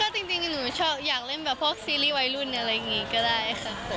จริงหนูฉากเล่นแบบพวกซีวิส์ใหญ่รุ่นอะไรอย่างนี้ก็ได้ค่ะ